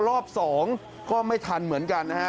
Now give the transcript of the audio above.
รอบ๒ก็ไม่ทันเหมือนกันนะฮะ